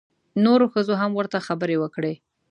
نورو ښځو هم ورته خبرې وکړې.